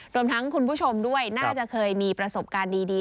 รวมทั้งคุณผู้ชมด้วยน่าจะเคยมีประสบการณ์ดี